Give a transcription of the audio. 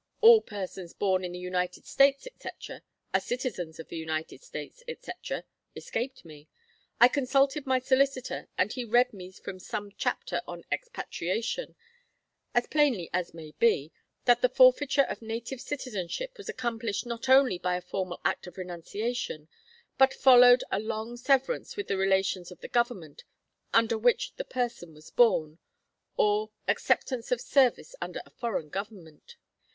'All persons born in the United States, etc., are citizens of the United States, etc.' escaped me. I consulted my solicitor, and he read me from some chapter on Expatriation, as plainly as may be, that the forfeiture of native citizenship was accomplished not only by a formal act of renunciation, but followed a long severance with the relations of the government under which the person was born, or acceptance of service under a foreign government.